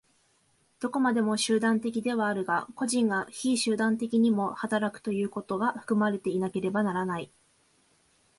どこまでも集団的ではあるが、個人が非集団的にも働くということが含まれていなければならない。